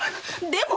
でも！